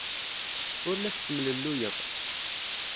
Ur la tettemlelluyeḍ.